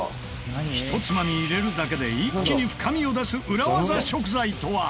ひとつまみ入れるだけで一気に深みを出す裏技食材とは？